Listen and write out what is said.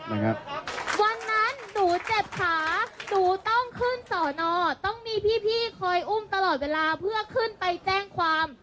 วันนั้นหนูเจ็บขาหนูต้องขึ้นสอนอต้องมีพี่พี่คอยอุ้มตลอดเวลาเพื่อขึ้นไปแจ้งความ